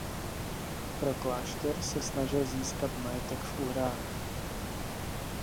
Pro klášter se snažil získat majetek v Uhrách.